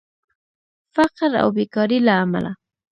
فقر او بیکارې له امله